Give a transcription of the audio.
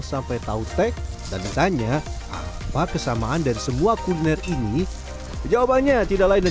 sampai tautek dan ditanya apa kesamaan dari semua kuliner ini jawabannya tidak lain dan